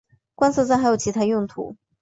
观测站还有其它用途。